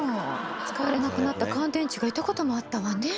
使われなくなった乾電池がいたこともあったわね。